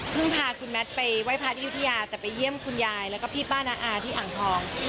พาคุณแมทไปไหว้พระที่ยุธยาแต่ไปเยี่ยมคุณยายแล้วก็พี่ป้าน้าอาที่อ่างทอง